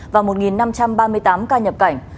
và một năm trăm ba mươi tám ca nhập cảnh